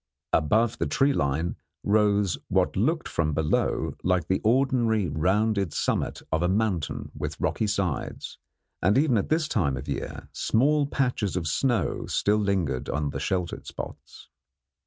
Above the tree line rose what looked from below like the ordinary rounded summit of a mountain with rocky sides, and even at this time of year small patches of snow still lingered in the sheltered spots.